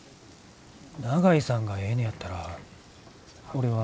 長井さんがええねやったら俺は別に。